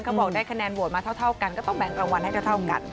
บอกได้คะแนนโหวตมาเท่ากันก็ต้องแบ่งรางวัลให้เท่ากัน